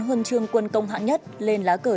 huân chương quân công hạng nhất lên lá cờ